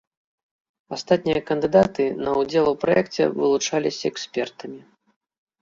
Астатнія кандыдаты на ўдзел у праекце вылучаліся экспертамі.